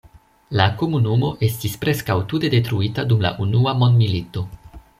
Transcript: La komunumo estis preskaŭ tute detruita dum la Unua mondmilito.